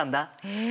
へえ！